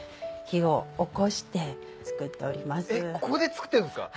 ここで作ってるんですか？